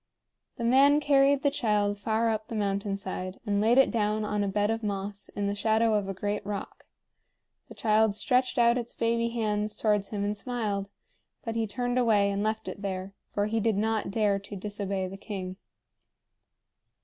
The man carried the child far up on the mountain side and laid it down on a bed of moss in the shadow of a great rock. The child stretched out its baby hands towards him and smiled, but he turned away and left it there, for he did not dare to disobey the king.